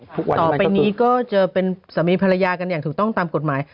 ต่อไปนี้ก็จะเป็นสามีภรรยากันอย่างถูกต้องตามกฎหมาย